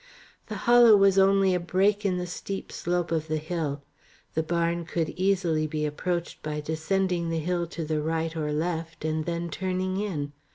The hollow was only a break in the steep slope of the hill. The barn could easily be approached by descending the hill to the right or the left, and then turning in.